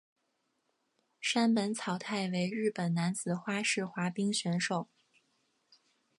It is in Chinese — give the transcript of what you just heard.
山本草太为日本男子花式滑冰选手。